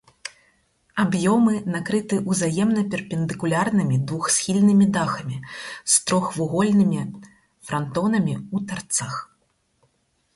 Аб'ёмы накрыты ўзаемна перпендыкулярнымі двухсхільнымі дахамі з трохвугольнымі франтонамі ў тарцах.